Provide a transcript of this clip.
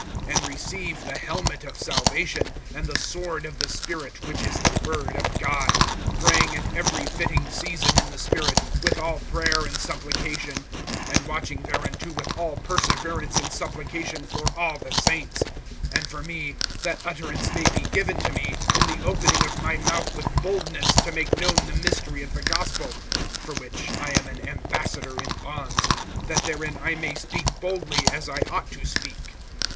(17)And receive the helmet of salvation, and the sword of the Spirit, which is the word of God; (18)praying at every fitting season in the Spirit, with all prayer and supplication, and watching thereunto with all perseverance and supplication for all the saints; (19)and for me, that utterance may be given to me, in the opening of my mouth with boldness, to make known the mystery of the gospel, (20)for which I am an ambassador in bonds; that therein I may speak boldly, as I ought to speak.